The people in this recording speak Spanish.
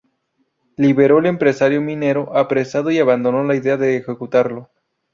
Liberó el empresario minero apresado y abandonó la idea de ejecutarlo.